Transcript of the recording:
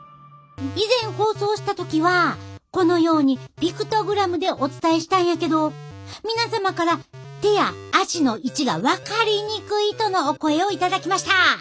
以前放送した時はこのようにピクトグラムでお伝えしたんやけど皆様から手や足の位置が分かりにくいとのお声を頂きました。